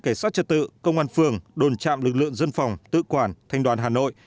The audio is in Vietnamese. cảnh sát trật tự công an phường đồn trạm lực lượng dân phòng tự quản thanh đoàn hà nội